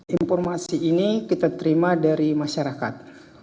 informasi ini kita terima dari masyarakat